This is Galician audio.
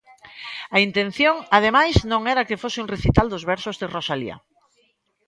A intención, ademais, non era que fose un recital dos versos de Rosalía.